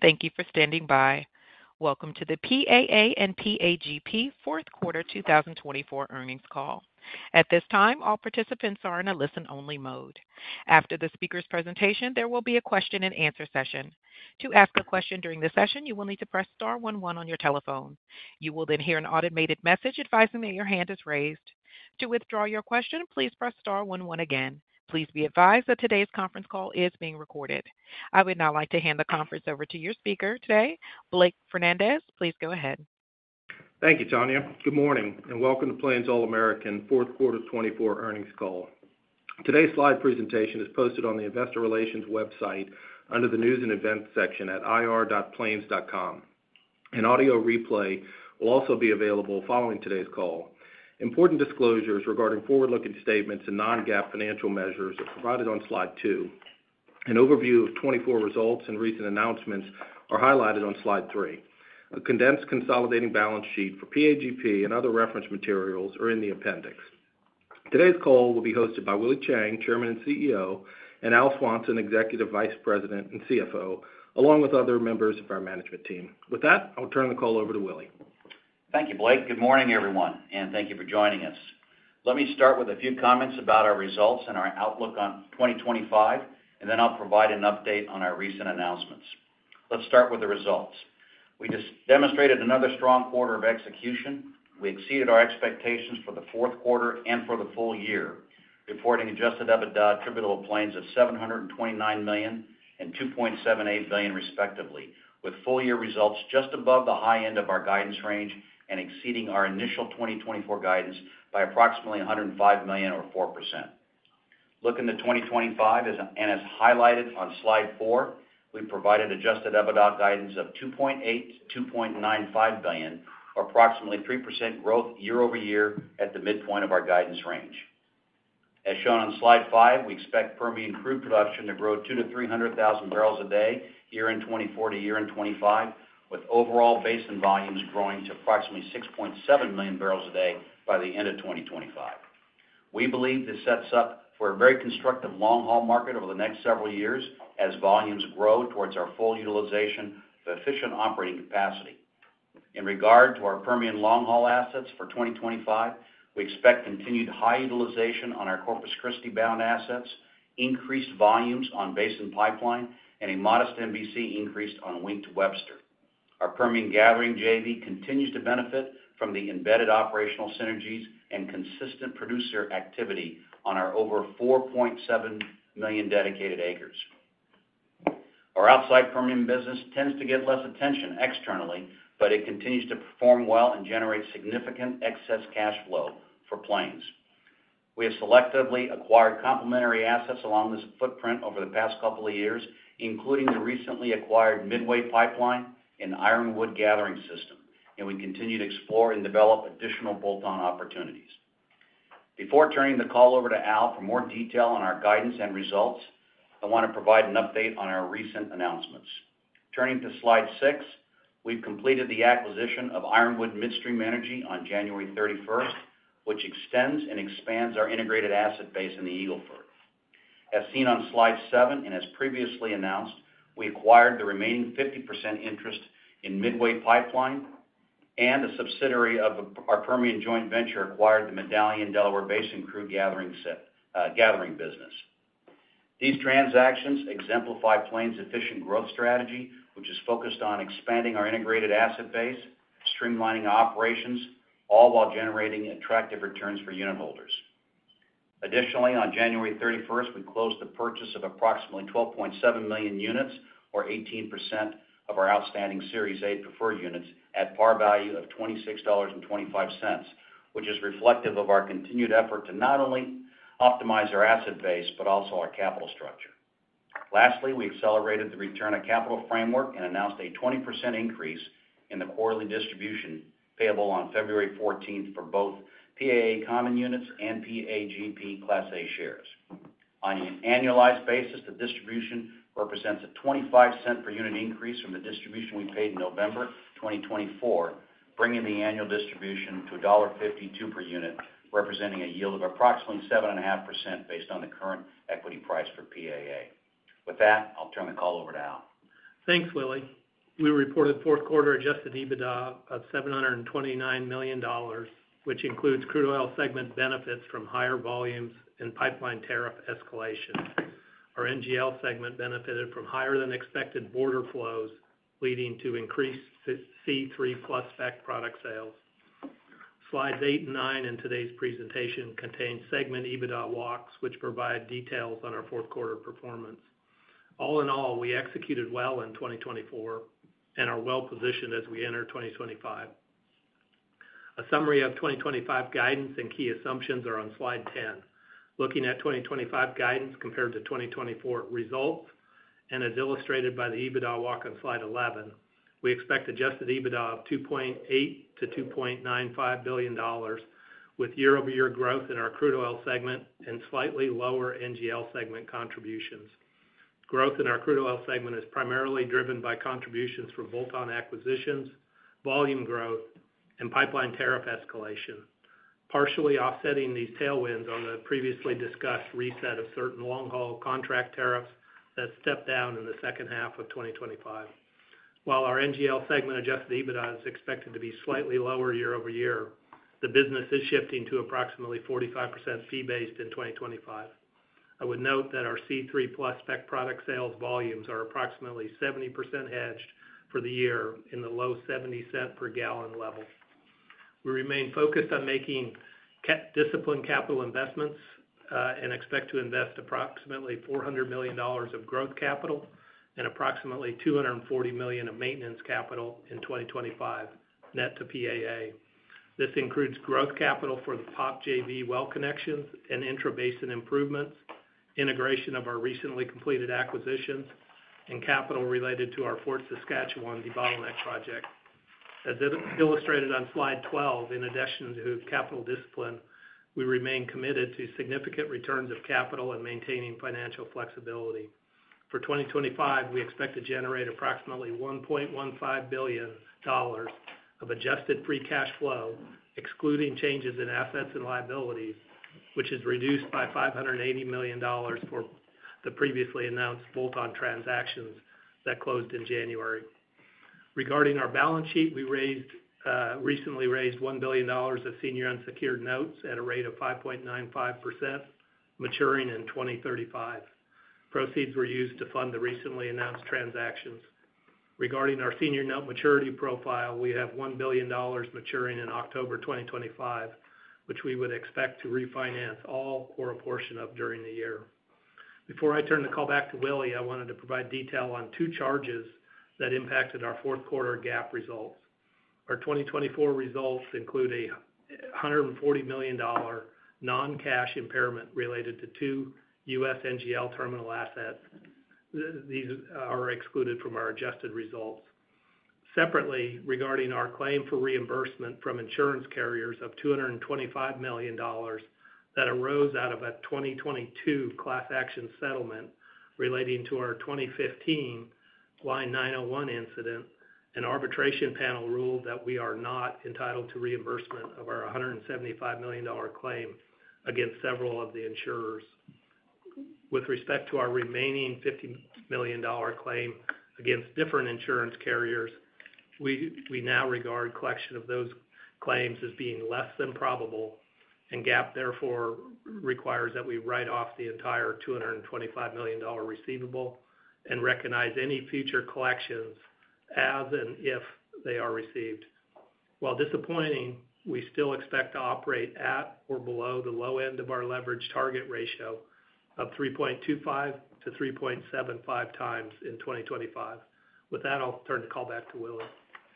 Thank you for standing by. Welcome to the PAA and PAGP fourth quarter 2024 earnings call. At this time, all participants are in a listen-only mode. After the speaker's presentation, there will be a question-and-answer session. To ask a question during the session, you will need to press star one one on your telephone. You will then hear an automated message advising that your hand is raised. To withdraw your question, please press star one one again. Please be advised that today's conference call is being recorded. I would now like to hand the conference over to your speaker today, Blake Fernandez. Please go ahead. Thank you, Tanya. Good morning and welcome to Plains All American fourth quarter 2024 earnings call. Today's slide presentation is posted on the Investor Relations website under the News and Events section at ir.plains.com. An audio replay will also be available following today's call. Important disclosures regarding forward-looking statements and non-GAAP financial measures are provided on slide two. An overview of 2024 results and recent announcements are highlighted on slide three. A condensed consolidating balance sheet for PAGP and other reference materials are in the appendix. Today's call will be hosted by Willie Chiang, Chairman and CEO, and Al Swanson, Executive Vice President and CFO, along with other members of our management team. With that, I'll turn the call over to Willie. Thank you, Blake. Good morning, everyone, and thank you for joining us. Let me start with a few comments about our results and our outlook on 2025, and then I'll provide an update on our recent announcements. Let's start with the results. We demonstrated another strong quarter of execution. We exceeded our expectations for the fourth quarter and for the full year, reporting adjusted EBITDA for Plains of $729 million and $2.78 billion, respectively, with full-year results just above the high end of our guidance range and exceeding our initial 2024 guidance by approximately $105 million or 4%. Looking to 2025, and as highlighted on slide four, we provided adjusted EBITDA guidance of $2.8 billion-$2.95 billion, approximately 3% growth year-over-year at the midpoint of our guidance range. As shown on slide five, we expect Permian crude production to grow 200,000-300,000 bbl/d year-end 2024 to year-end 2025, with overall Basin volumes growing to approximately 6.7 million bbl/d by the end of 2025. We believe this sets up for a very constructive long-haul market over the next several years as volumes grow towards our full utilization of efficient operating capacity. In regard to our Permian long-haul assets for 2025, we expect continued high utilization on our Corpus Christi bound assets, increased volumes on Basin Pipeline, and a modest MVC increase on Wink to Webster. Our Permian gathering JV continues to benefit from the embedded operational synergies and consistent producer activity on our over 4.7 million dedicated acres. Our outside Permian business tends to get less attention externally, but it continues to perform well and generate significant excess cash flow for Plains. We have selectively acquired complementary assets along this footprint over the past couple of years, including the recently acquired Midway Pipeline and Ironwood gathering system, and we continue to explore and develop additional bolt-on opportunities. Before turning the call over to Al for more detail on our guidance and results, I want to provide an update on our recent announcements. Turning to slide six, we've completed the acquisition of Ironwood Midstream Energy on January 31st, which extends and expands our integrated asset base in the Eagle Ford. As seen on slide seven and as previously announced, we acquired the remaining 50% interest in Midway Pipeline, and a subsidiary of our Permian joint venture acquired the Medallion Delaware Basin crude gathering business. These transactions exemplify Plains' efficient growth strategy, which is focused on expanding our integrated asset base, streamlining operations, all while generating attractive returns for unit holders. Additionally, on January 31st, we closed the purchase of approximately 12.7 million units, or 18% of our outstanding Series A Preferred Units at par value of $26.25, which is reflective of our continued effort to not only optimize our asset base, but also our capital structure. Lastly, we accelerated the return of capital framework and announced a 20% increase in the quarterly distribution payable on February 14th for both PAA Common Units and PAGP Class A Shares. On an annualized basis, the distribution represents a $0.25 per unit increase from the distribution we paid in November 2024, bringing the annual distribution to $1.52 per unit, representing a yield of approximately 7.5% based on the current equity price for PAA. With that, I'll turn the call over to Al. Thanks, Willie. We reported fourth quarter adjusted EBITDA of $729 million, which includes crude oil segment benefits from higher volumes and pipeline tariff escalation. Our NGL segment benefited from higher than expected border flows, leading to increased C3+ spec product sales. Slides eight and nine in today's presentation contain segment EBITDA walks, which provide details on our fourth quarter performance. All in all, we executed well in 2024 and are well positioned as we enter 2025. A summary of 2025 guidance and key assumptions are on slide 10. Looking at 2025 guidance compared to 2024 results, and as illustrated by the EBITDA walk on slide 11, we expect adjusted EBITDA of $2.8 billion-$2.95 billion, with year-over-year growth in our crude oil segment and slightly lower NGL segment contributions. Growth in our crude oil segment is primarily driven by contributions from bolt-on acquisitions, volume growth, and pipeline tariff escalation, partially offsetting these tailwinds on the previously discussed reset of certain long-haul contract tariffs that stepped down in the second half of 2025. While our NGL segment Adjusted EBITDA is expected to be slightly lower year-over-year, the business is shifting to approximately 45% fee-based in 2025. I would note that our C3+ spec product sales volumes are approximately 70% hedged for the year in the low $0.70 per gallon level. We remain focused on making disciplined capital investments and expect to invest approximately $400 million of growth capital and approximately $240 million of maintenance capital in 2025 net to PAA. This includes growth capital for the POP JV well connections and intra-basin improvements, integration of our recently completed acquisitions, and capital related to our Fort Saskatchewan debottleneck project. As illustrated on slide 12, in addition to capital discipline, we remain committed to significant returns of capital and maintaining financial flexibility. For 2025, we expect to generate approximately $1.15 billion of adjusted free cash flow, excluding changes in assets and liabilities, which is reduced by $580 million for the previously announced bolt-on transactions that closed in January. Regarding our balance sheet, we recently raised $1 billion of senior unsecured notes at a rate of 5.95%, maturing in 2035. Proceeds were used to fund the recently announced transactions. Regarding our senior note maturity profile, we have $1 billion maturing in October 2025, which we would expect to refinance all or a portion of during the year. Before I turn the call back to Willie, I wanted to provide detail on two charges that impacted our fourth quarter GAAP results. Our 2024 results include a $140 million non-cash impairment related to two U.S. NGL terminal assets. These are excluded from our adjusted results. Separately, regarding our claim for reimbursement from insurance carriers of $225 million that arose out of a 2022 class action settlement relating to our 2015 Line 901 incident, an arbitration panel ruled that we are not entitled to reimbursement of our $175 million claim against several of the insurers. With respect to our remaining $50 million claim against different insurance carriers, we now regard the collection of those claims as being less than probable, and GAAP therefore requires that we write off the entire $225 million receivable and recognize any future collections as and if they are received. While disappointing, we still expect to operate at or below the low end of our leverage target ratio of 3.25x-3.75x in 2025. With that, I'll turn the call back to Willie.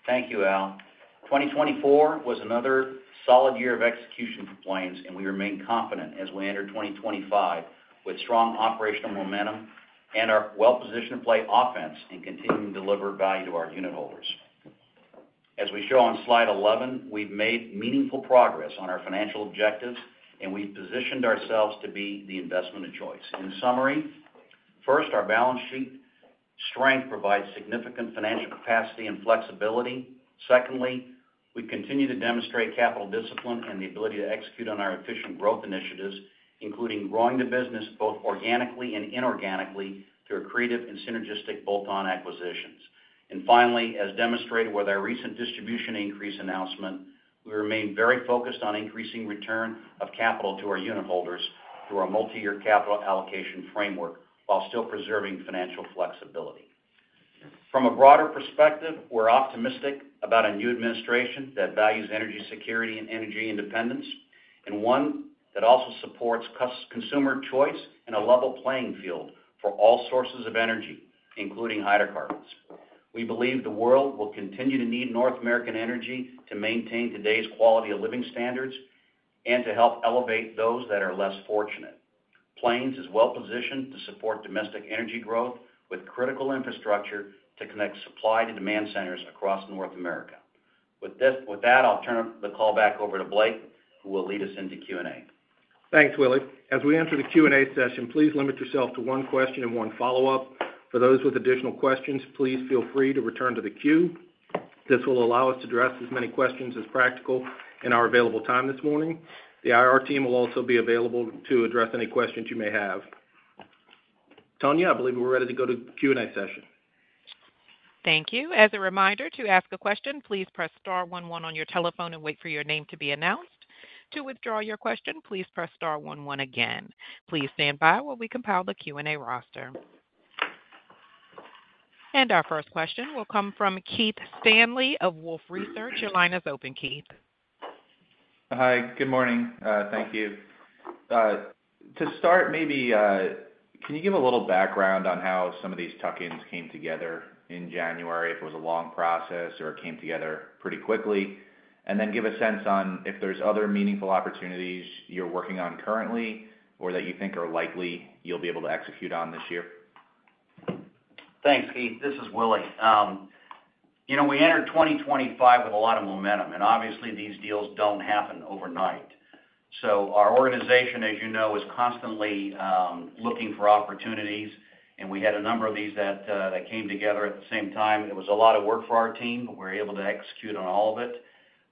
Thank you, Al. 2024 was another solid year of execution for Plains, and we remain confident as we enter 2025 with strong operational momentum and our well-positioned play offense, and continuing to deliver value to our unit holders. As we show on slide 11, we've made meaningful progress on our financial objectives, and we've positioned ourselves to be the investment of choice. In summary, first, our balance sheet strength provides significant financial capacity and flexibility. Secondly, we continue to demonstrate capital discipline and the ability to execute on our efficient growth initiatives, including growing the business both organically and inorganically through creative and synergistic bolt-on acquisitions. And finally, as demonstrated with our recent distribution increase announcement, we remain very focused on increasing return of capital to our unit holders through our multi-year capital allocation framework while still preserving financial flexibility. From a broader perspective, we're optimistic about a new administration that values energy security and energy independence, and one that also supports consumer choice and a level playing field for all sources of energy, including hydrocarbons. We believe the world will continue to need North American energy to maintain today's quality of living standards and to help elevate those that are less fortunate. Plains is well positioned to support domestic energy growth with critical infrastructure to connect supply to demand centers across North America. With that, I'll turn the call back over to Blake, who will lead us into Q&A. Thanks, Willie. As we enter the Q&A session, please limit yourself to one question and one follow-up. For those with additional questions, please feel free to return to the queue. This will allow us to address as many questions as practical in our available time this morning. The IR team will also be available to address any questions you may have. Tanya, I believe we're ready to go to the Q&A session. Thank you. As a reminder, to ask a question, please press star one one on your telephone and wait for your name to be announced. To withdraw your question, please press star one one again. Please stand by while we compile the Q&A roster. And our first question will come from Keith Stanley of Wolfe Research. Your line is open, Keith. Hi, good morning. Thank you. To start, maybe can you give a little background on how some of these tuck-ins came together in January, if it was a long process or it came together pretty quickly, and then give a sense on if there's other meaningful opportunities you're working on currently or that you think are likely you'll be able to execute on this year? Thanks, Keith. This is Willie. You know, we entered 2025 with a lot of momentum, and obviously these deals don't happen overnight. So our organization, as you know, is constantly looking for opportunities, and we had a number of these that came together at the same time. It was a lot of work for our team, but we were able to execute on all of it.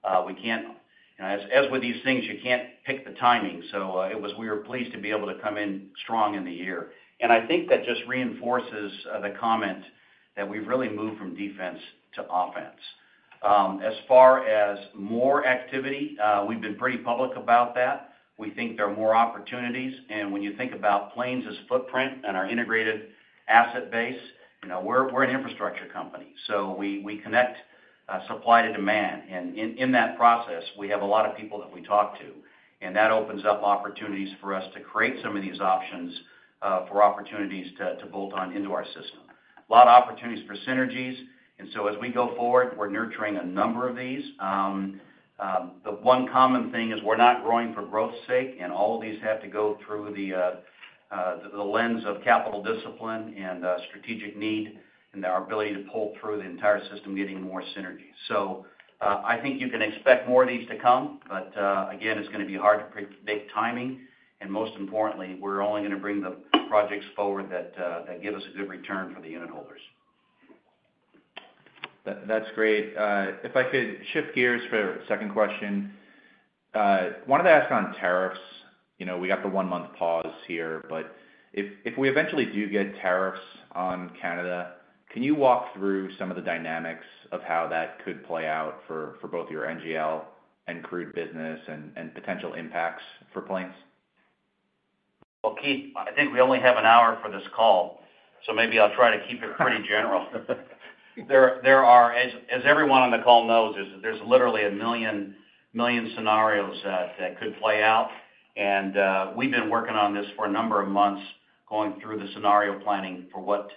As with these things, you can't pick the timing. So we were pleased to be able to come in strong in the year. I think that just reinforces the comment that we've really moved from defense to offense. As far as more activity, we've been pretty public about that. We think there are more opportunities. When you think about Plains' footprint and our integrated asset base, we're an infrastructure company. So we connect supply to demand. And in that process, we have a lot of people that we talk to, and that opens up opportunities for us to create some of these options for opportunities to bolt-on into our system. A lot of opportunities for synergies. And so as we go forward, we're nurturing a number of these. The one common thing is we're not growing for growth's sake, and all of these have to go through the lens of capital discipline and strategic need and our ability to pull through the entire system, getting more synergies. So I think you can expect more of these to come, but again, it's going to be hard to predict timing. And most importantly, we're only going to bring the projects forward that give us a good return for the unit holders. That's great. If I could shift gears for a second question, I wanted to ask on tariffs. We got the one-month pause here, but if we eventually do get tariffs on Canada, can you walk through some of the dynamics of how that could play out for both your NGL and crude business and potential impacts for Plains? Well, Keith, I think we only have an hour for this call, so maybe I'll try to keep it pretty general. As everyone on the call knows, there's literally a million scenarios that could play out. And we've been working on this for a number of months, going through the scenario planning for what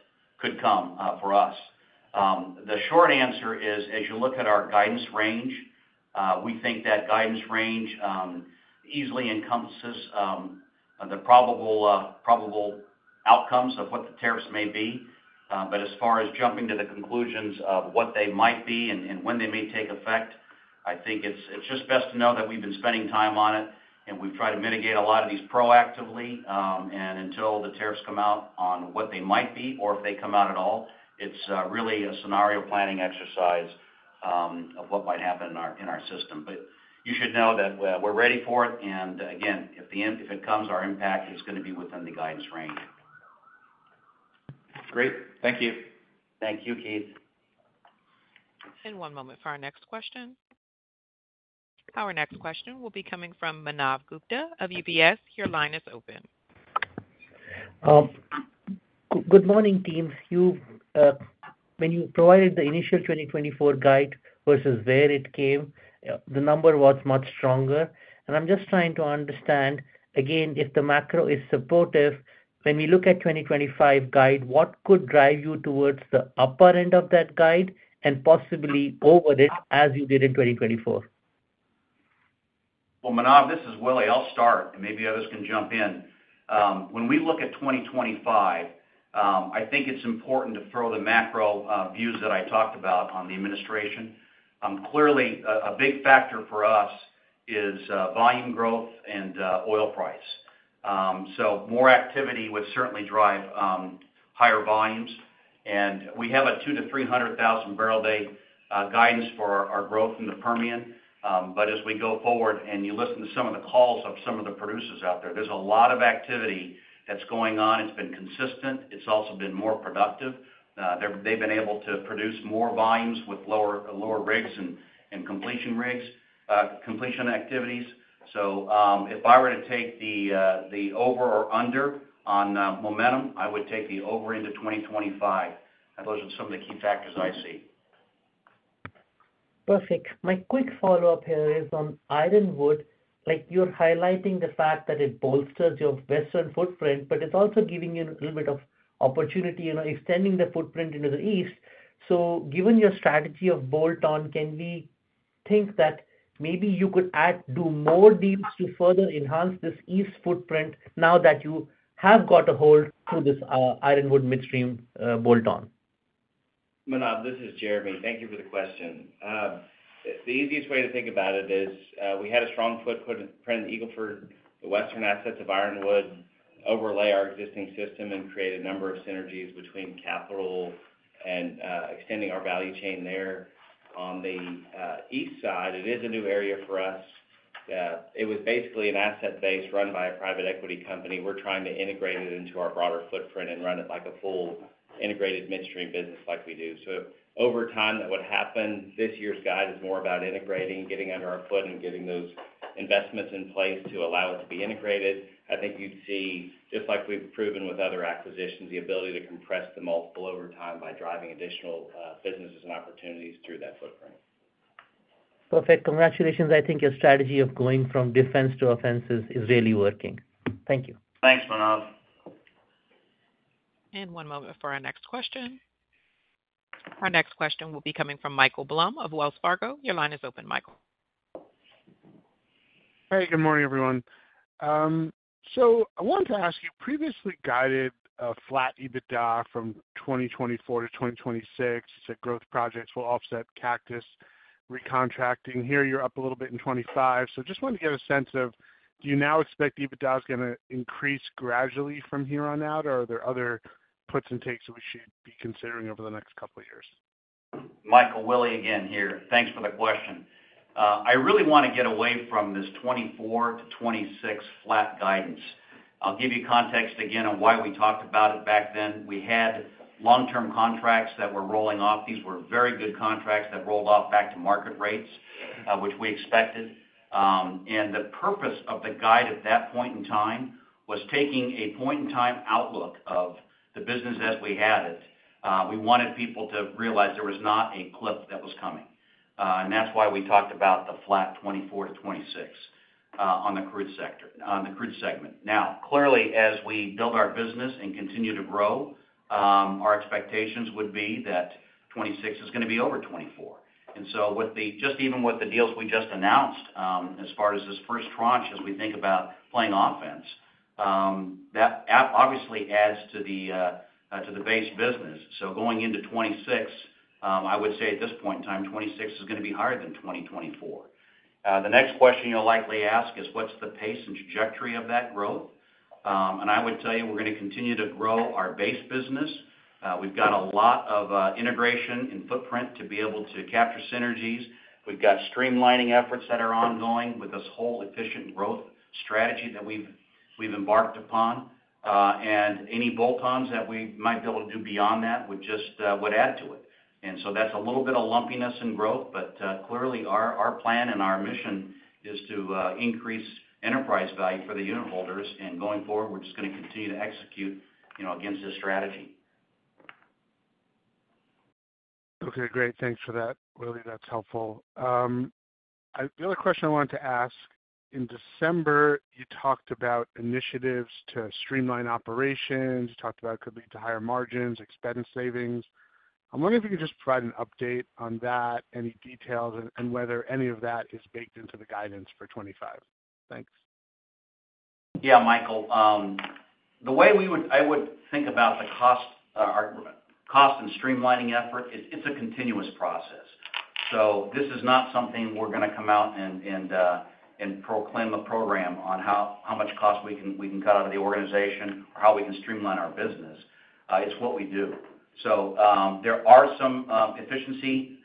could come for us. The short answer is, as you look at our guidance range, we think that guidance range easily encompasses the probable outcomes of what the tariffs may be. But as far as jumping to the conclusions of what they might be and when they may take effect, I think it's just best to know that we've been spending time on it, and we've tried to mitigate a lot of these proactively. And until the tariffs come out on what they might be, or if they come out at all, it's really a scenario planning exercise of what might happen in our system. But you should know that we're ready for it. And again, if it comes, our impact is going to be within the guidance range. Great. Thank you. Thank you, Keith. And one moment for our next question. Our next question will be coming from Manav Gupta of UBS. Your line is open. Good morning, team. When you provided the initial 2024 guide versus where it came, the number was much stronger, and I'm just trying to understand, again, if the macro is supportive, when we look at the 2025 guide, what could drive you towards the upper end of that guide and possibly over it as you did in 2024? Manav, this is Willie. I'll start, and maybe others can jump in. When we look at 2025, I think it's important to the macro views that I talked about on the administration. Clearly, a big factor for us is volume growth and oil price. So more activity would certainly drive higher volumes. And we have a 200,000-300,000 bbl/d guidance for our growth in the Permian. But as we go forward and you listen to some of the calls of some of the producers out there, there's a lot of activity that's going on. It's been consistent. It's also been more productive. They've been able to produce more volumes with lower rigs and completion activities. So if I were to take the over or under on momentum, I would take the over into 2025. Those are some of the key factors I see. Perfect. My quick follow-up here is on Ironwood. You're highlighting the fact that it bolsters your western footprint, but it's also giving you a little bit of opportunity in extending the footprint into the east. So given your strategy of bolt-on, can we think that maybe you could add, do more deals to further enhance this east footprint now that you have got a hold through this Ironwood Midstream bolt-on? Manav, this is Jeremy. Thank you for the question. The easiest way to think about it is we had a strong footprint in Eagle Ford. The western assets of Ironwood overlay our existing system and create a number of synergies between capital and extending our value chain there. On the east side, it is a new area for us. It was basically an asset base run by a private equity company. We're trying to integrate it into our broader footprint and run it like a full integrated midstream business like we do. So over time, that would happen. This year's guide is more about integrating, getting under our footprint, and getting those investments in place to allow it to be integrated. I think you'd see, just like we've proven with other acquisitions, the ability to compress the multiple over time by driving additional businesses and opportunities through that footprint. Perfect. Congratulations. I think your strategy of going from defense to offense is really working. Thank you. Thanks, Manav. One moment for our next question. Our next question will be coming from Michael Blum of Wells Fargo. Your line is open, Michael. Hey, good morning, everyone. So I wanted to ask you, previously guided a flat EBITDA from 2024 to 2026. You said growth projects will offset Cactus recontracting. Here, you're up a little bit in 2025. So just wanted to get a sense of, do you now expect EBITDA is going to increase gradually from here on out, or are there other puts and takes that we should be considering over the next couple of years? Michael, Willie again here. Thanks for the question. I really want to get away from this 2024 to 2026 flat guidance. I'll give you context again on why we talked about it back then. We had long-term contracts that were rolling off. These were very good contracts that rolled off back to market rates, which we expected, and the purpose of the guide at that point in time was taking a point-in-time outlook of the business as we had it. We wanted people to realize there was not a clip that was coming, and that's why we talked about the flat 2024 to 2026 on the crude sector, on the crude segment. Now, clearly, as we build our business and continue to grow, our expectations would be that 2026 is going to be over 2024. And so just even with the deals we just announced, as far as this first tranche, as we think about playing offense, that obviously adds to the base business. So going into 2026, I would say at this point in time, 2026 is going to be higher than 2024. The next question you'll likely ask is, what's the pace and trajectory of that growth? And I would tell you, we're going to continue to grow our base business. We've got a lot of integration and footprint to be able to capture synergies. We've got streamlining efforts that are ongoing with this whole efficient growth strategy that we've embarked upon. And any bolt-ons that we might be able to do beyond that would just add to it. And so that's a little bit of lumpiness in growth, but clearly, our plan and our mission is to increase enterprise value for the unit holders. And going forward, we're just going to continue to execute against this strategy. Okay, great. Thanks for that, Willie. That's helpful. The other question I wanted to ask, in December, you talked about initiatives to streamline operations. You talked about it could lead to higher margins, expense savings. I'm wondering if you could just provide an update on that, any details, and whether any of that is baked into the guidance for 2025? Thanks. Yeah, Michael. The way I would think about the cost and streamlining effort is it's a continuous process. So this is not something we're going to come out and proclaim a program on how much cost we can cut out of the organization or how we can streamline our business. It's what we do. So there are some efficiency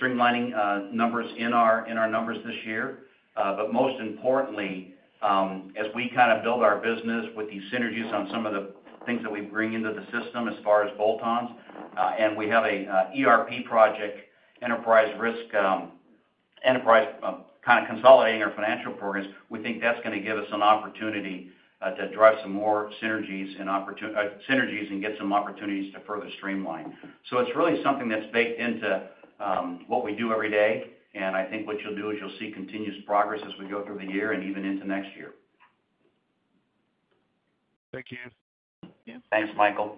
streamlining numbers in our numbers this year. But most importantly, as we kind of build our business with these synergies on some of the things that we bring into the system as far as bolt-ons, and we have an ERP project, enterprise risk, enterprise kind of consolidating our financial programs, we think that's going to give us an opportunity to drive some more synergies and get some opportunities to further streamline. So it's really something that's baked into what we do every day. I think what you'll do is you'll see continuous progress as we go through the year and even into next year. Thank you. Thanks, Michael.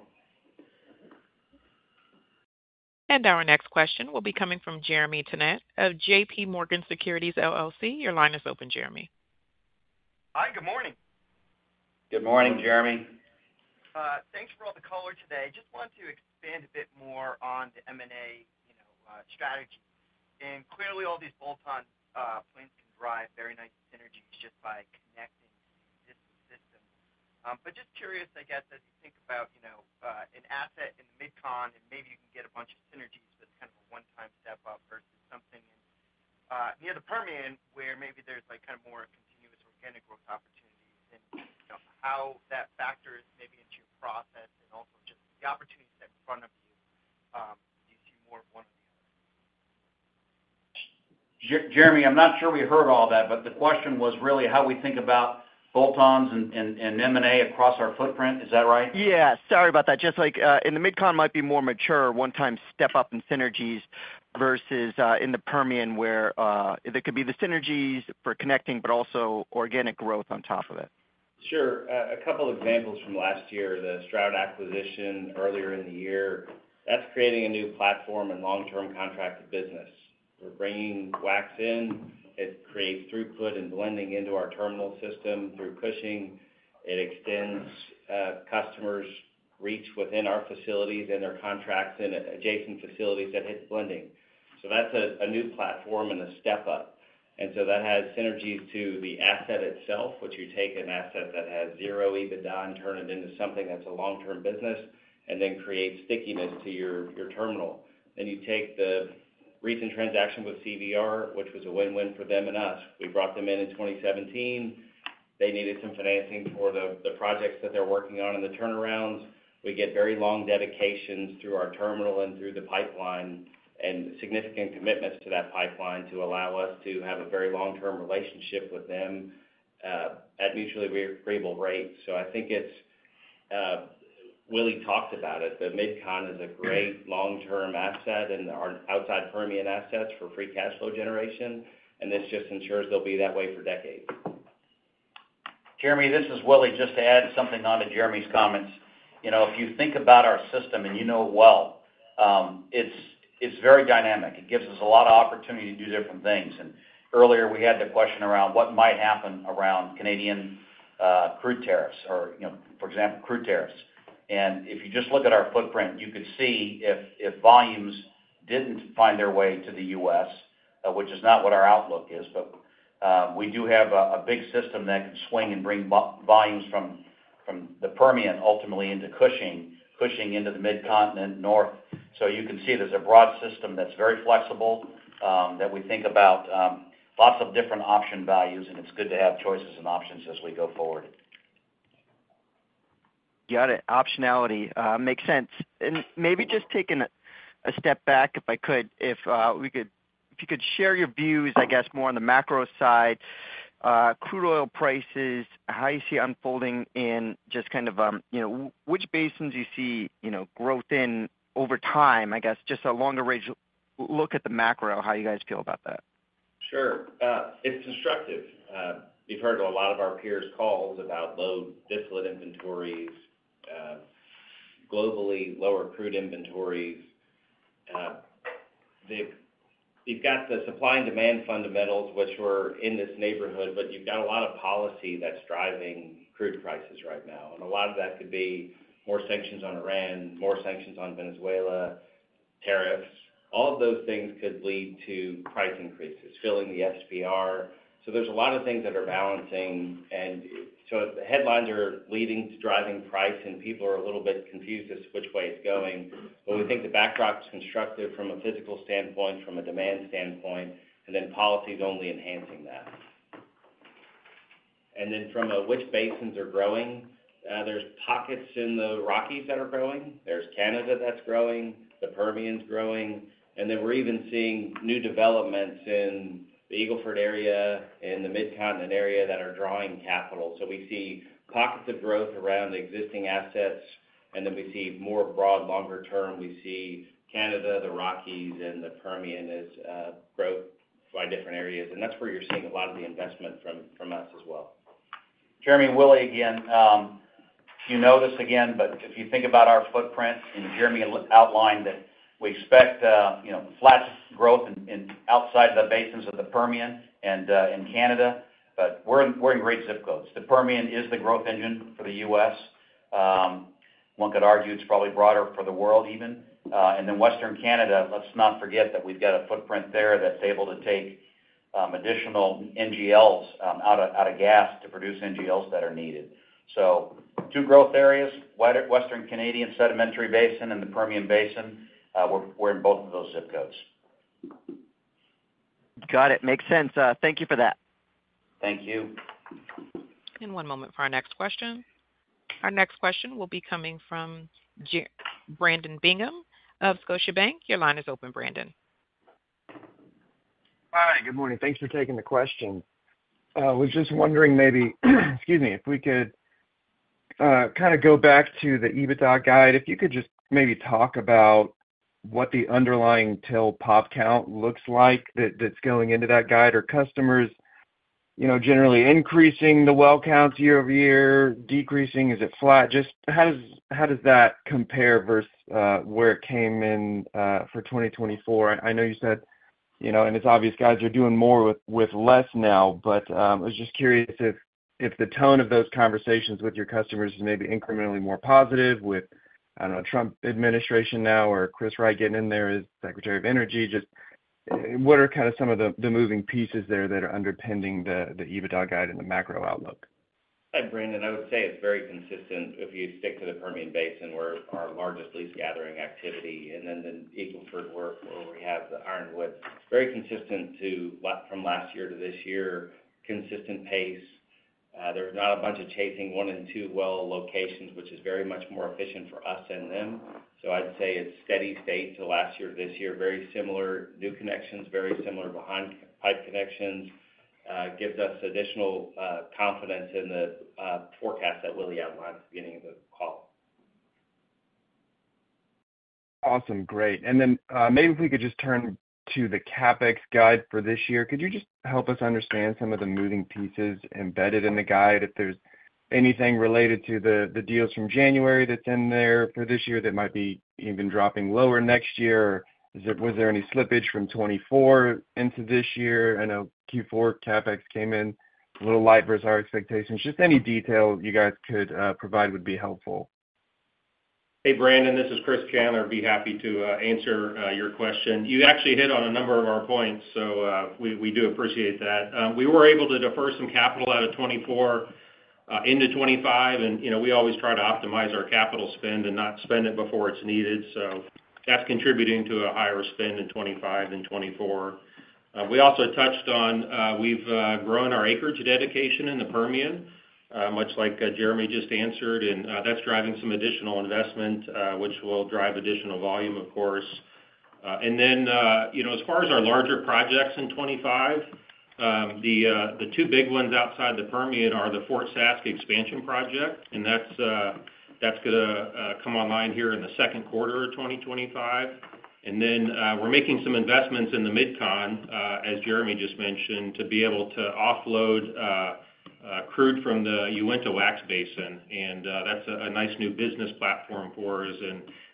Our next question will be coming from Jeremy Tonet of JPMorgan Securities LLC. Your line is open, Jeremy. Hi, good morning. Good morning, Jeremy. Thanks for all the color today. Just wanted to expand a bit more on the M&A strategy. And clearly, all these bolt-ons, Plains can drive very nice synergies just by connecting different systems. But just curious, I guess, as you think about an asset in the Mid-Con and maybe you can get a bunch of synergies, but it's kind of a one-time step up versus something near the Permian where maybe there's kind of more continuous organic growth opportunities. And how that factors maybe into your process and also just the opportunities that are in front of you, do you see more of one or the other? Jeremy, I'm not sure we heard all that, but the question was really how we think about bolt-ons and M&A across our footprint. Is that right? Yeah. Sorry about that. Just like in the Mid-Con might be more mature one-time step-up in synergies versus in the Permian where there could be the synergies for connecting, but also organic growth on top of it. Sure. A couple of examples from last year, the Stroud acquisition earlier in the year. That's creating a new platform and long-term contracted business. We're bringing wax in. It creates throughput and blending into our terminal system through Cushing. It extends customers' reach within our facilities and their contracts in adjacent facilities that hit the blending. So that's a new platform and a step-up. And so that has synergies to the asset itself, which you take an asset that has zero EBITDA and turn it into something that's a long-term business and then create stickiness to your terminal. Then you take the recent transaction with CVR, which was a win-win for them and us. We brought them in in 2017. They needed some financing for the projects that they're working on and the turnarounds. We get very long dedications through our terminal and through the pipeline and significant commitments to that pipeline to allow us to have a very long-term relationship with them at mutually agreeable rates. So I think it's Willie talked about it. The Mid-Con is a great long-term asset and our outside Permian assets for free cash flow generation. And this just ensures they'll be that way for decades. Jeremy, this is Willie just to add something on to Jeremy's comments. If you think about our system and you know it well, it's very dynamic. It gives us a lot of opportunity to do different things. And earlier, we had the question around what might happen around Canadian crude tariffs or, for example, crude tariffs. And if you just look at our footprint, you could see if volumes didn't find their way to the U.S., which is not what our outlook is, but we do have a big system that can swing and bring volumes from the Permian ultimately into Cushing, Cushing into the Mid-Continent north. So you can see there's a broad system that's very flexible that we think about lots of different option values, and it's good to have choices and options as we go forward. Got it. Optionality makes sense. And maybe just taking a step back, if I could, if you could share your views, I guess, more on the macro side, crude oil prices, how you see unfolding in just kind of which basins you see growth in over time, I guess, just a longer range look at the macro, how you guys feel about that? Sure. It's constructive. You've heard a lot of our peers' calls about low distillate inventories, globally lower crude inventories. You've got the supply and demand fundamentals, which were in this neighborhood, but you've got a lot of policy that's driving crude prices right now. And a lot of that could be more sanctions on Iran, more sanctions on Venezuela, tariffs. All of those things could lead to price increases, filling the SPR. So there's a lot of things that are balancing. And so the headlines are leading to driving price, and people are a little bit confused as to which way it's going. But we think the backdrop is constructive from a physical standpoint, from a demand standpoint, and then policy is only enhancing that. And then from which basins are growing, there's pockets in the Rockies that are growing. There's Canada that's growing. The Permian's growing. Then we're even seeing new developments in the Eagle Ford area and the Mid-Continent area that are drawing capital. So we see pockets of growth around existing assets, and then we see more broad, longer term. We see Canada, the Rockies, and the Permian as growth by different areas. And that's where you're seeing a lot of the investment from us as well. Jeremy, Willie, again, you know this again, but if you think about our footprint, and Jeremy outlined that we expect flat growth outside the basins of the Permian and in Canada, but we're in great zip codes. The Permian is the growth engine for the U.S. One could argue it's probably broader for the world even. And then Western Canada, let's not forget that we've got a footprint there that's able to take additional NGLs out of gas to produce NGLs that are needed. Two growth areas, Western Canadian Sedimentary Basin and the Permian Basin. We're in both of those zip codes. Got it. Makes sense. Thank you for that. Thank you. And one moment for our next question. Our next question will be coming from Brandon Bingham of Scotiabank. Your line is open, Brandon. Hi, good morning. Thanks for taking the question. I was just wondering maybe, excuse me, if we could kind of go back to the EBITDA guide. If you could just maybe talk about what the underlying rig count looks like that's going into that guide or customers generally increasing the well counts year-over-year, decreasing, is it flat? Just how does that compare versus where it came in for 2024? I know you said, and it's obvious guys are doing more with less now, but I was just curious if the tone of those conversations with your customers is maybe incrementally more positive with, I don't know, Trump administration now or Chris Wright getting in there as Secretary of Energy. Just what are kind of some of the moving pieces there that are underpinning the EBITDA guide and the macro outlook? Hi, Brandon. I would say it's very consistent if you stick to the Permian Basin, where our largest lease gathering activity, and then the Eagle Ford where we have the Ironwoods, very consistent from last year to this year, consistent pace. There's not a bunch of chasing one and two well locations, which is very much more efficient for us than them. So I'd say it's steady state to last year to this year, very similar new connections, very similar behind pipe connections, gives us additional confidence in the forecast that Willie outlined at the beginning of the call. Awesome. Great. And then maybe if we could just turn to the CapEx guide for this year, could you just help us understand some of the moving pieces embedded in the guide? If there's anything related to the deals from January that's in there for this year that might be even dropping lower next year, was there any slippage from 2024 into this year? I know Q4 CapEx came in a little light versus our expectations. Just any detail you guys could provide would be helpful. Hey, Brandon, this is Chris Chandler. I'd be happy to answer your question. You actually hit on a number of our points, so we do appreciate that. We were able to defer some capital out of 2024 into 2025, and we always try to optimize our capital spend and not spend it before it's needed. So that's contributing to a higher spend in 2025 and 2024. We also touched on we've grown our acreage dedication in the Permian, much like Jeremy just answered, and that's driving some additional investment, which will drive additional volume, of course. Then as far as our larger projects in 2025, the two big ones outside the Permian are the Fort Saskatchewan expansion project, and that's going to come online here in the second quarter of 2025. And then we're making some investments in the Mid-Con, as Jeremy just mentioned, to be able to offload crude from the Uinta wax basin. And that's a nice new business platform for us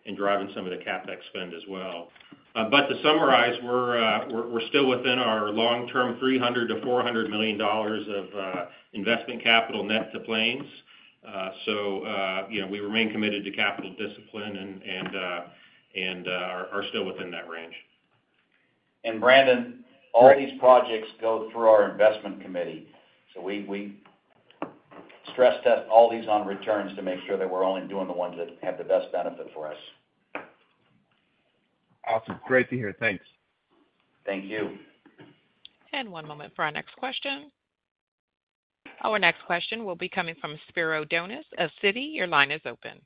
and driving some of the CapEx spend as well. But to summarize, we're still within our long-term $300 million-$400 million of investment capital net to Plains. So we remain committed to capital discipline and are still within that range. Brandon, all these projects go through our investment committee. We stress test all these on returns to make sure that we're only doing the ones that have the best benefit for us. Awesome. Great to hear. Thanks. Thank you. One moment for our next question. Our next question will be coming from Spiro Dounis with Citi. Your line is open.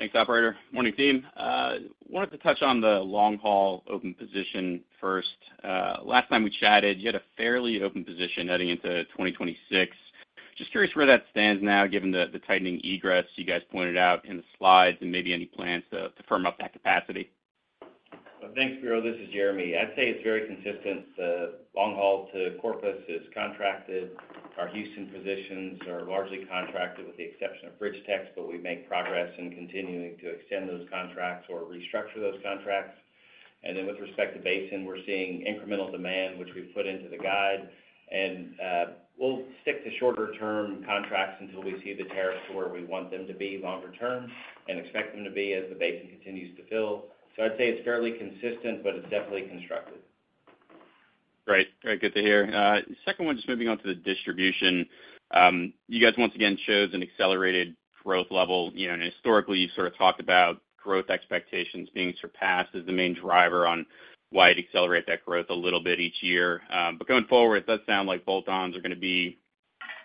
Thanks, operator. Morning, team. I wanted to touch on the long-haul open position first. Last time we chatted, you had a fairly open position heading into 2026. Just curious where that stands now, given the tightening egress you guys pointed out in the slides and maybe any plans to firm up that capacity. Thanks, Spiro. This is Jeremy. I'd say it's very consistent. The long-haul to Corpus is contracted. Our Houston positions are largely contracted with the exception of BridgeTex, but we make progress in continuing to extend those contracts or restructure those contracts. And then with respect to Basin, we're seeing incremental demand, which we've put into the guide. And we'll stick to shorter-term contracts until we see the tariffs to where we want them to be longer term and expect them to be as the basin continues to fill. So I'd say it's fairly consistent, but it's definitely constructive. Great. Great. Good to hear. Second one, just moving on to the distribution. You guys once again chose an accelerated growth level. And historically, you've sort of talked about growth expectations being surpassed as the main driver on why you'd accelerate that growth a little bit each year. But going forward, it does sound like bolt-ons are going to be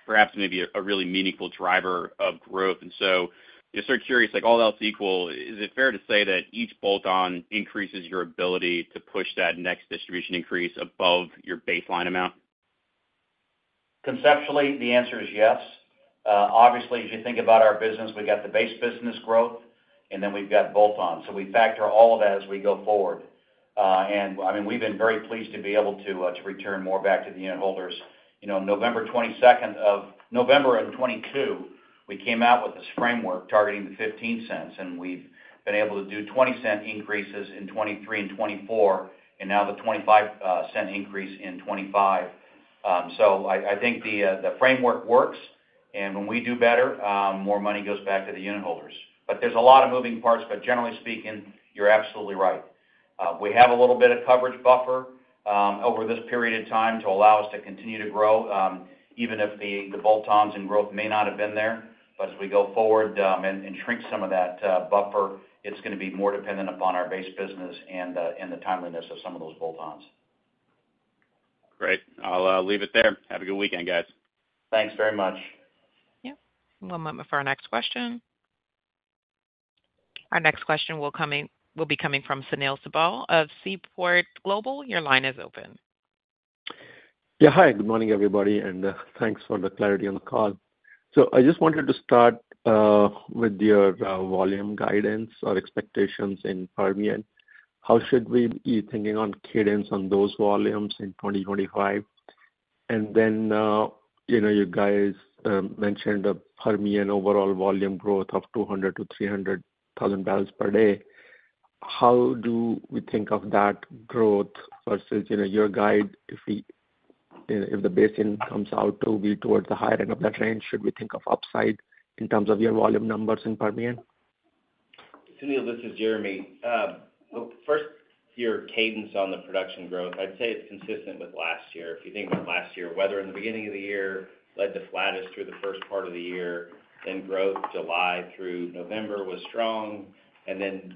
perhaps maybe a really meaningful driver of growth. And so just sort of curious, like all else equal, is it fair to say that each bolt-on increases your ability to push that next distribution increase above your baseline amount? Conceptually, the answer is yes. Obviously, as you think about our business, we've got the base business growth, and then we've got bolt-ons. So we factor all of that as we go forward, and I mean, we've been very pleased to be able to return more back to the unit holders. November 22nd, 2022, we came out with this framework targeting the $0.15, and we've been able to do $0.20 increases in 2023 and 2024, and now the $0.25 increase in 2025. So I think the framework works, and when we do better, more money goes back to the unit holders, but there's a lot of moving parts, but generally speaking, you're absolutely right. We have a little bit of coverage buffer over this period of time to allow us to continue to grow, even if the bolt-ons and growth may not have been there. As we go forward and shrink some of that buffer, it's going to be more dependent upon our base business and the timeliness of some of those bolt-ons. Great. I'll leave it there. Have a good weekend, guys. Thanks very much. Yep. One moment for our next question. Our next question will be coming from Sunil Sibal of Seaport Global. Your line is open. Yeah. Hi, good morning, everybody, and thanks for the clarity on the call, so I just wanted to start with your volume guidance or expectations in Permian. How should we be thinking on cadence on those volumes in 2025, and then you guys mentioned the Permian overall volume growth of 200,000-300,000 bbl/d. How do we think of that growth versus your guide? If the basin comes out to be towards the higher end of that range, should we think of upside in terms of your volume numbers in Permian? Sunil, this is Jeremy. First, your cadence on the production growth, I'd say it's consistent with last year. If you think about last year, weather in the beginning of the year led to flatness through the first part of the year, then growth July through November was strong, and then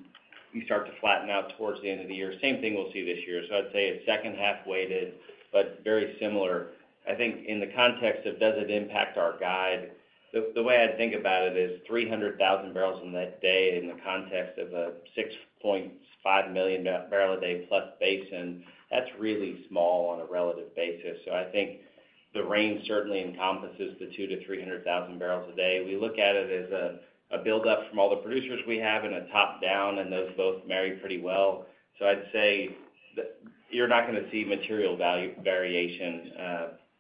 you start to flatten out towards the end of the year. Same thing we'll see this year. So I'd say it's second half weighted, but very similar. I think in the context of does it impact our guide, the way I'd think about it is 300,000 bbl/d in the context of a 6.5 million bbl/d plus basin, that's really small on a relative basis. So I think the range certainly encompasses the 200,000-300,000 bbl/d. We look at it as a build-up from all the producers we have and a top-down, and those both marry pretty well. So I'd say you're not going to see material variation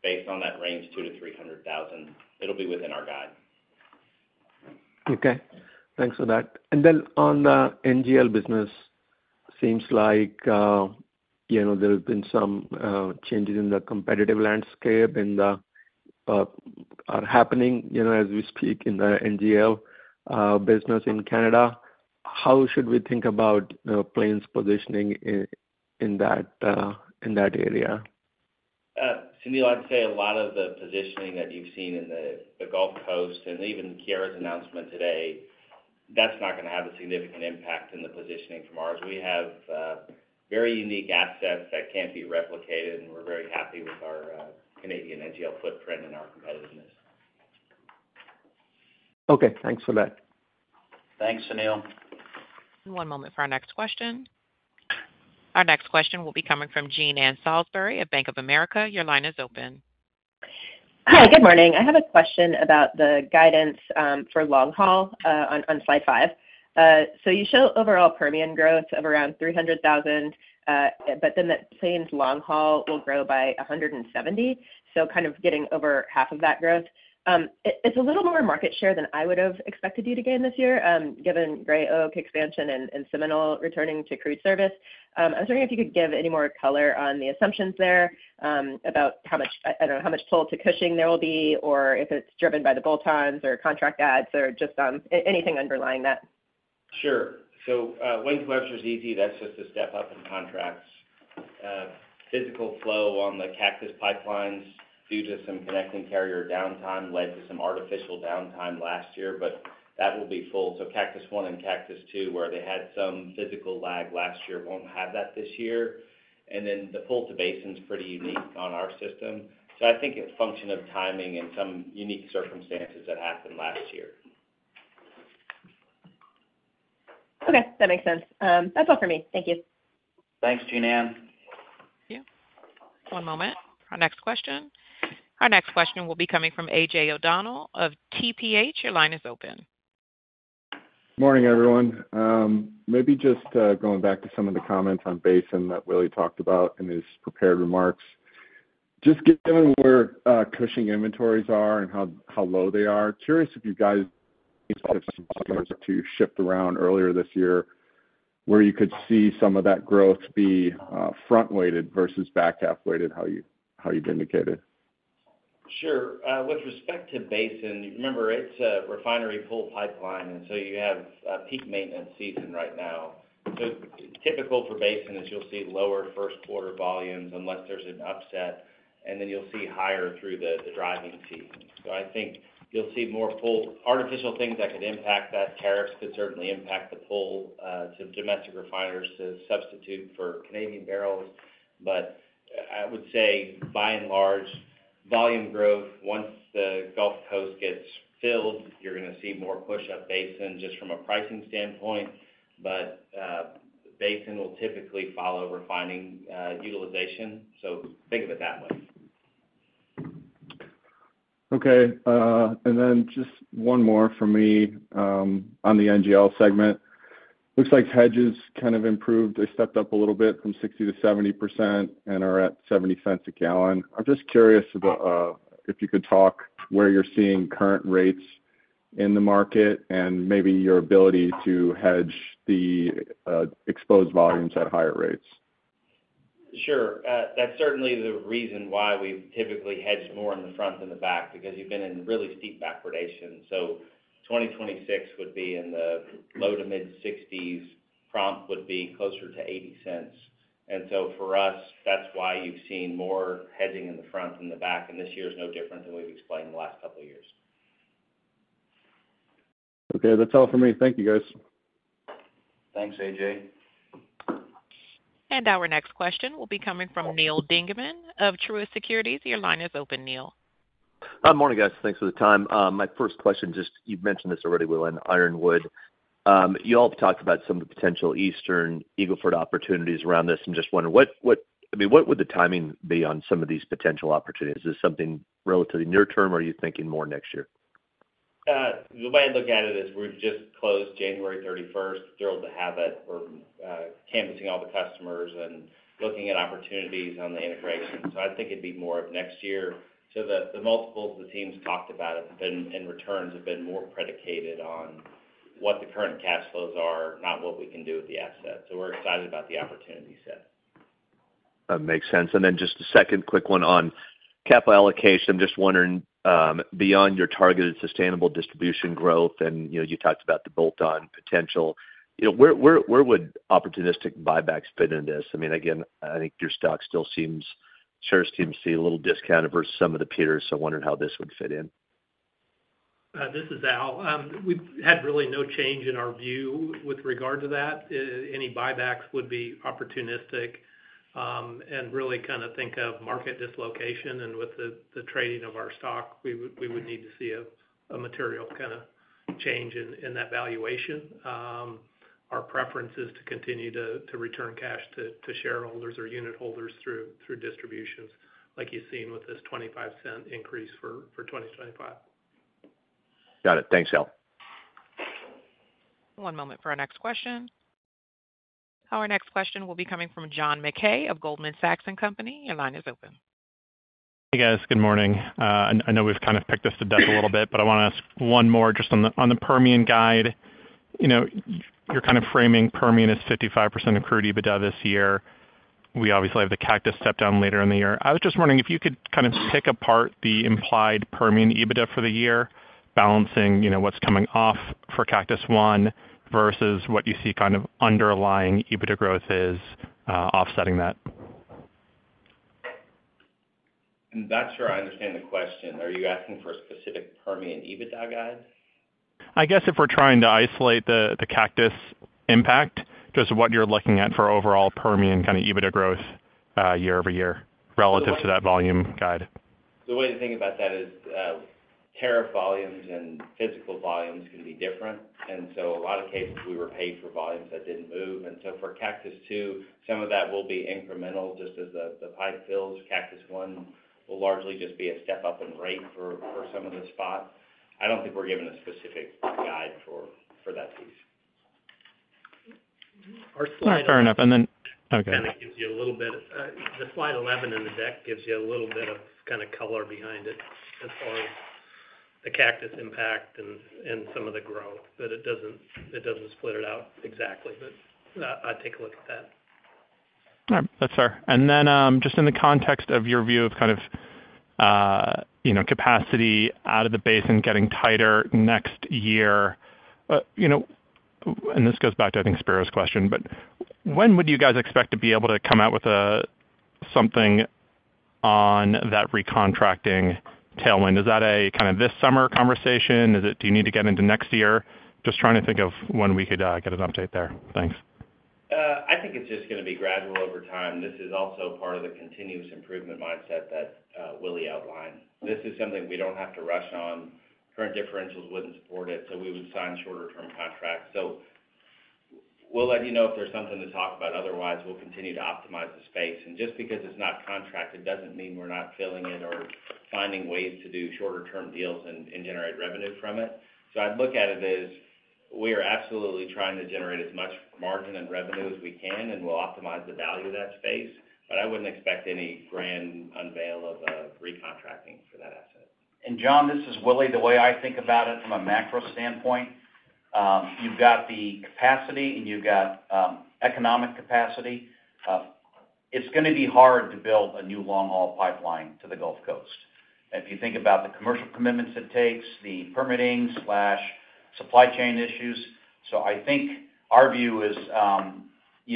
based on that range 200,000-300,000. It'll be within our guide. Okay. Thanks for that. And then, on the NGL business, seems like there have been some changes in the competitive landscape and are happening as we speak in the NGL business in Canada. How should we think about Plains positioning in that area? Sunil, I'd say a lot of the positioning that you've seen in the Gulf Coast and even Keyera's announcement today, that's not going to have a significant impact in the positioning from ours. We have very unique assets that can't be replicated, and we're very happy with our Canadian NGL footprint and our competitiveness. Okay. Thanks for that. Thanks, Sunil. One moment for our next question. Our next question will be coming from Jean Ann Salisbury of Bank of America. Your line is open. Hi, good morning. I have a question about the guidance for long-haul on slide five. So you show overall Permian growth of around 300,000, but then that Plains long-haul will grow by 170, so kind of getting over half of that growth. It's a little more market share than I would have expected you to gain this year, given Gray Oak expansion and Seminole returning to crude service. I was wondering if you could give any more color on the assumptions there about how much pull to Cushing there will be, or if it's driven by the bolt-ons or contract adds or just anything underlying that. Sure. So, leverage measures easy. That's just a step up in contracts. Physical flow on the Cactus pipelines due to some connecting carrier downtime led to some artificial downtime last year, but that will be full. So, Cactus I and Cactus II, where they had some physical lag last year, won't have that this year. And then the pull to Basin is pretty unique on our system. So, I think it's a function of timing and some unique circumstances that happened last year. Okay. That makes sense. That's all for me. Thank you. Thanks, Jean Ann. Thank you. One moment. Our next question. Our next question will be coming from AJ O'Donnell of TPH. Your line is open. Morning, everyone. Maybe just going back to some of the comments on Basin that Willie talked about in his prepared remarks. Just given where Cushing inventories are and how low they are, curious if you guys have some plans to shift around earlier this year where you could see some of that growth be front-weighted versus back-half-weighted, how you've indicated. Sure. With respect to Basin, remember it's a refinery pull pipeline, and so you have peak maintenance season right now. So typical for Basin is you'll see lower first quarter volumes unless there's an upset, and then you'll see higher through the driving season. So I think you'll see more pull. Artificial things that could impact that, tariffs could certainly impact the pull to domestic refiners to substitute for Canadian barrells. But I would say, by and large, volume growth, once the Gulf Coast gets filled, you're going to see more push to Basin just from a pricing standpoint, but Basin will typically follow refining utilization. So think of it that way. Okay, and then just one more from me on the NGL segment. Looks like hedges kind of improved. They stepped up a little bit from 60%-70% and are at $0.70 a gallon. I'm just curious if you could talk where you're seeing current rates in the market and maybe your ability to hedge the exposed volumes at higher rates? Sure. That's certainly the reason why we typically hedge more in the front than the back because you've been in really steep backwardation, so 2026 would be in the low-to-mid-60s. Prompt would be closer to $0.80, and so for us, that's why you've seen more hedging in the front than the back, and this year is no different than we've explained the last couple of years. Okay. That's all for me. Thank you, guys. Thanks, AJ. Our next question will be coming from Neal Dingmann of Truist Securities. Your line is open, Neil. Morning, guys. Thanks for the time. My first question, just you've mentioned this already, Willie, on Ironwood. You all have talked about some of the potential Eastern Eagle Ford opportunities around this and just wondered, I mean, what would the timing be on some of these potential opportunities? Is this something relatively near-term, or are you thinking more next year? The way I look at it is we've just closed January 31st, thrilled to have it, we're canvassing all the customers and looking at opportunities on the integration. So I think it'd be more of next year. So the multiples the teams talked about have been, and returns have been more predicated on what the current cash flows are, not what we can do with the assets. So we're excited about the opportunity set. That makes sense. And then just a second quick one on capital allocation. I'm just wondering, beyond your targeted sustainable distribution growth, and you talked about the bolt-on potential, where would opportunistic buybacks fit into this? I mean, again, I think your stock still seems to be a little discounted versus some of the peers, so I wondered how this would fit in. This is Al. We've had really no change in our view with regard to that. Any buybacks would be opportunistic and really kind of think of market dislocation, and with the trading of our stock, we would need to see a material kind of change in that valuation. Our preference is to continue to return cash to shareholders or unit holders through distributions, like you've seen with this $0.25 increase for 2025. Got it. Thanks, Al. One moment for our next question. Our next question will be coming from John Mackay of Goldman Sachs & Company. Your line is open. Hey, guys. Good morning. I know we've kind of picked this to death a little bit, but I want to ask one more just on the Permian guide. You're kind of framing Permian as 55% accrued EBITDA this year. We obviously have the Cactus step down later in the year. I was just wondering if you could kind of pick apart the implied Permian EBITDA for the year, balancing what's coming off for Cactus I versus what you see kind of underlying EBITDA growth is, offsetting that. That's where I understand the question. Are you asking for a specific Permian EBITDA guide? I guess if we're trying to isolate the Cactus impact, just what you're looking at for overall Permian kind of EBITDA growth year-over-year relative to that volume guide? The way to think about that is tariff volumes and physical volumes can be different. And so a lot of cases, we were paid for volumes that didn't move. And so for Cactus II, some of that will be incremental just as the pipe fills. Cactus I will largely just be a step up in rate for some of the spots. I don't think we're given a specific guide for that piece. Sorry to interrupt. And then. Okay. It gives you a little bit of color behind slide 11 in the deck as far as the Cactus impact and some of the growth, but it doesn't split it out exactly. I'll take a look at that. All right. That's fair. And then just in the context of your view of kind of capacity out of the basin getting tighter next year, and this goes back to, I think, Spiro's question, but when would you guys expect to be able to come out with something on that recontracting tailwind? Is that a kind of this summer conversation? Do you need to get into next year? Just trying to think of when we could get an update there. Thanks. I think it's just going to be gradual over time. This is also part of the continuous improvement mindset that Willie outlined. This is something we don't have to rush on. Current differentials wouldn't support it, so we would sign shorter-term contracts. So we'll let you know if there's something to talk about. Otherwise, we'll continue to optimize the space. And just because it's not contracted, doesn't mean we're not filling it or finding ways to do shorter-term deals and generate revenue from it. So I'd look at it as we are absolutely trying to generate as much margin and revenue as we can, and we'll optimize the value of that space, but I wouldn't expect any grand unveil of recontracting for that asset. And John, this is Willie. The way I think about it from a macro standpoint, you've got the capacity and you've got economic capacity. It's going to be hard to build a new long-haul pipeline to the Gulf Coast. If you think about the commercial commitments it takes, the permitting/supply chain issues, so I think our view is, and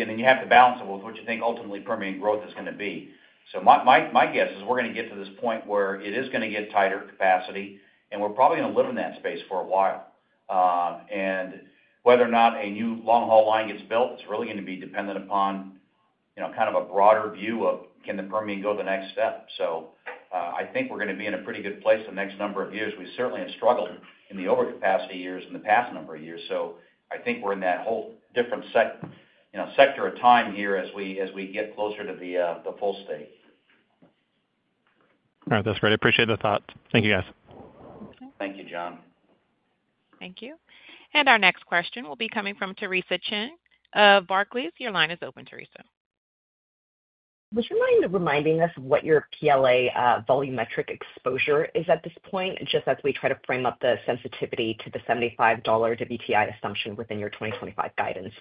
then you have to balance it with what you think ultimately Permian growth is going to be. So my guess is we're going to get to this point where it is going to get tighter capacity, and we're probably going to live in that space for a while. And whether or not a new long-haul line gets built, it's really going to be dependent upon kind of a broader view of can the Permian go the next step. So I think we're going to be in a pretty good place the next number of years. We certainly have struggled in the overcapacity years in the past number of years. So, I think we're in that whole different sector of time here as we get closer to the full state. All right. That's great. I appreciate the thought. Thank you, guys. Thank you, John. Thank you. And our next question will be coming from Theresa Chen of Barclays. Your line is open, Theresa. Would you mind reminding us of what your PLA volumetric exposure is at this point, just as we try to frame up the sensitivity to the $75 WTI assumption within your 2025 guidance?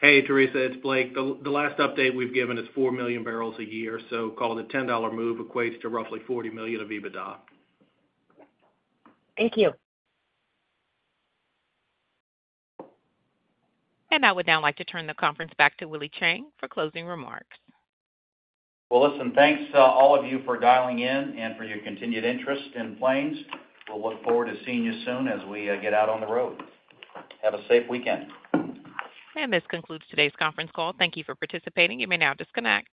Hey, Theresa, it's Blake. The last update we've given is 4 million bbl a year, so call it a $10 move equates to roughly $40 million of EBITDA. Thank you. I would now like to turn the conference back to Willie Chiang for closing remarks. Listen, thanks to all of you for dialing in and for your continued interest in Plains. We'll look forward to seeing you soon as we get out on the road. Have a safe weekend. This concludes today's conference call. Thank you for participating. You may now disconnect.